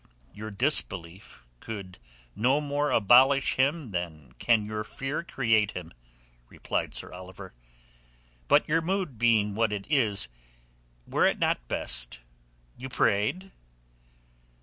"Your disbelief could no more abolish Him than can your fear create Him," replied Sir Oliver. "But your mood being what it is, were it not best you prayed?"